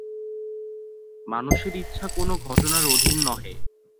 মানুষের ইচ্ছা কোন ঘটনার অধীন নহে।